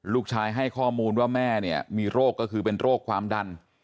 ให้ข้อมูลว่าแม่เนี่ยมีโรคก็คือเป็นโรคความดัน